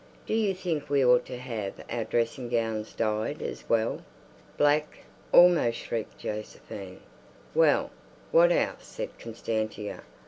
"Do you think we ought to have our dressing gowns dyed as well?" "Black?" almost shrieked Josephine. "Well, what else?" said Constantia.